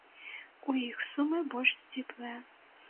У іх сумы больш сціплыя.